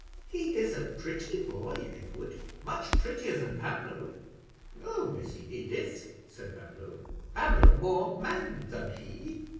"He is a pretty boy, Edward, much prettier than Pablo." "No, Missy Edith," said Pablo; "Pablo more man than he."